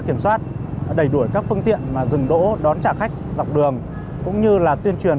kiểm soát đẩy đuổi các phương tiện dừng đỗ đón trả khách dọc đường cũng như là tuyên truyền